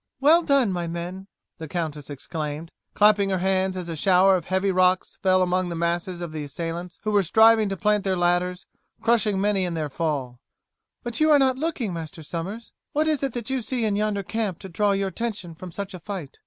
"Well done, my men!" the countess exclaimed, clapping her hands, as a shower of heavy rocks fell among the mass of the assailants, who were striving to plant their ladders, crushing many in their fall; "but you are not looking, Master Somers. What is it that you see in yonder camp to withdraw your attention from such a fight?"